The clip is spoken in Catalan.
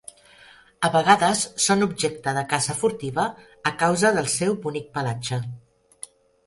A vegades són objecte de caça furtiva a causa del seu bonic pelatge.